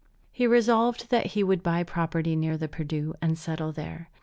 He resolved that he would buy property near the Perdu and settle there.